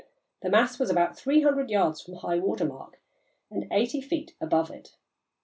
The mass was about three hundred yards from high water mark and eighty feet above it.